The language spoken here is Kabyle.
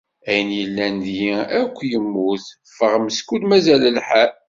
Ayen yellan deg-i akk yemmut, ffeɣ meskud mazal lḥal.